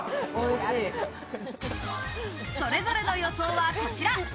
それぞれの予想はこちら。